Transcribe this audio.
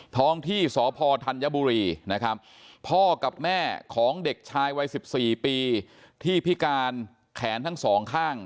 ท้องที่สพธัญบุรีนะครับพ่อกับแม่ของเด็กชายวัย๑๔ปีที่พิการแขนทั้งสองข้าง